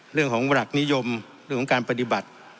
เรื่องของหลักนิยมเรื่องของการปฏิบัติ